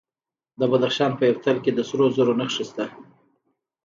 د بدخشان په یفتل کې د سرو زرو نښې شته.